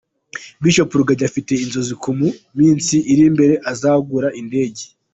Bishop Rugagi afite inzozi ko mu minsi iri imbere azagura indege.